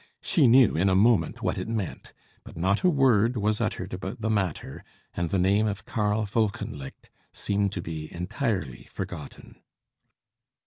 She knew in a moment what it meant; but not a word was uttered about the matter, and the name of Karl Wolkenlicht seemed to be entirely forgotten.